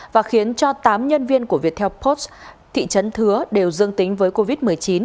và khiến cho tám nhân viên của viettel post thị trấn thứa đều dương tính với covid một mươi chín